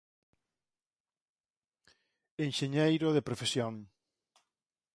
Enxeñeiro de profesión.